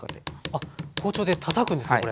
あっ包丁でたたくんですかこれ。